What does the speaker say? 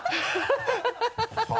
ハハハ